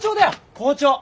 校長！